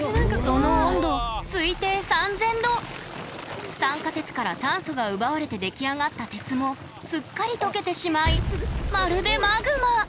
その温度酸化鉄から酸素が奪われて出来上がった鉄もすっかり溶けてしまいまるでマグマ！